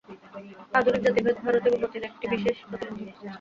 আধুনিক জাতিভেদ ভারতের উন্নতির একটি বিশেষ প্রতিবন্ধক।